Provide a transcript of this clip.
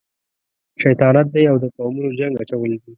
شیطانت دی او د قومونو جنګ اچول دي.